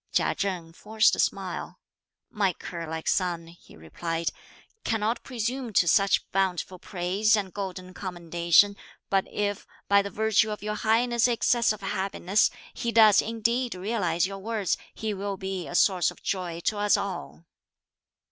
Chia Chen forced a smile: "My cur like son," he replied, "cannot presume to such bountiful praise and golden commendation; but if, by the virtue of your Highness' excess of happiness, he does indeed realise your words, he will be a source of joy to us all!"